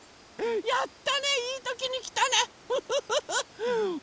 やったねいいときにきたねフフフフ！